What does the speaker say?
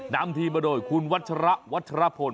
นำทีมมาโดยคุณวัชระวัชรพล